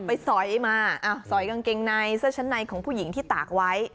สอยมาสอยกางเกงในเสื้อชั้นในของผู้หญิงที่ตากไว้